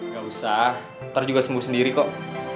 gak usah ntar juga sembuh sendiri kok